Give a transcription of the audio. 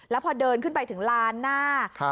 แล้วพอเดินขึ้นไปถึงลานหน้า